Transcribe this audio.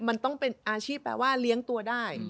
มันต้องเป็นอาชีพแปลว่าเลี้ยงตัวได้